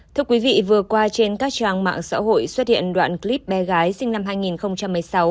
thưa quý vị vừa qua trên các trang mạng xã hội xuất hiện đoạn clip bé gái sinh năm hai nghìn một mươi sáu